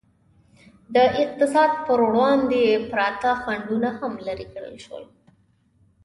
د اقتصاد پر وړاندې پراته خنډونه هم لرې کړل شول.